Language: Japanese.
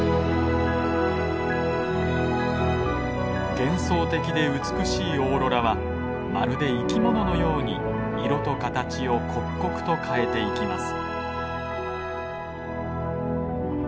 幻想的で美しいオーロラはまるで生き物のように色と形を刻々と変えていきます。